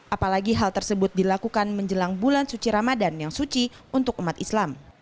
apalagi hal tersebut dilakukan menjelang bulan suci ramadan yang suci untuk umat islam